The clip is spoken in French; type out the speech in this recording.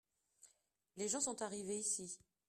les gens sont arrivés ici.